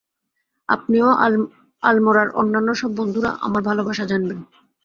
আপনি ও আলমোড়ার অন্যান্য সব বন্ধুরা আমার ভালবাসা জানবেন।